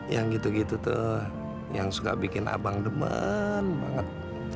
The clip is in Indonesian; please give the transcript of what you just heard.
yang gitu gitu tuh yang suka bikin abang demen banget